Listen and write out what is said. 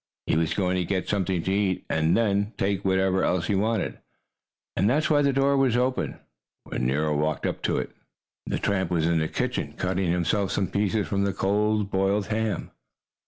He was going to get something to eat, and then take whatever else he wanted. And that's why the door was open when Nero walked up to it. The tramp was in the kitchen, cutting himself some pieces from the cold, boiled ham.